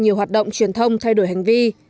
nhiều hoạt động truyền thông thay đổi hành vi